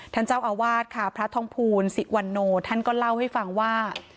ท่านเจ้าอาวาสค่ะพระทองภูลสิวันโนท่านก็เล่าให้ฟังว่า